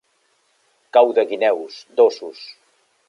Cau de guineus, d' ossos.